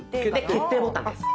決定ボタンです。